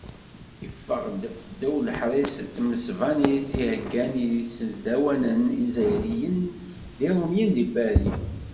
Yeffeɣ-d s ddaw leḥṛis n tmesbanit i heggan yisdawanen izzayriyen d iṛumyen di Pari.